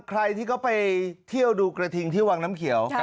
ใครที่เขาไปเที่ยวดูกระทิงที่วังน้ำเขียว